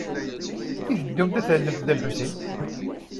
I teddumt ad tallemt Dda Lḥusin?